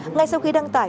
ngay sau khi đăng tải